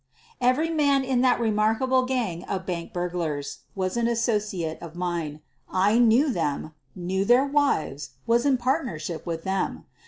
Every man in that remarkable gang of bank burglars was an associate of mine — I knew them, knew their wives, was in partnership with them.